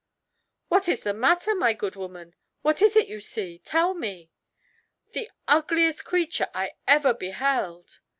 "What is the matter, my good woman? What is it you see? Tell me." "The ugliest creature I ever beheld."